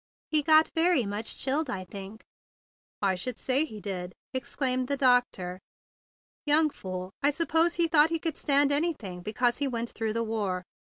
He got very much chilled, I think." "I should say he did!" ejaculated the doctor. "Young fool! I suppose he thought he could stand anything be¬ cause he went through the war.